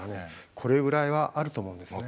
これぐらいはあると思うんですよね。